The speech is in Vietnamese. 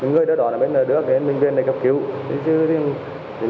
người đó đó là đưa đến bệnh viện cấp cứu